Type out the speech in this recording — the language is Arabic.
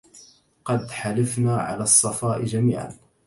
قد حلفنا على الصفاء جميعا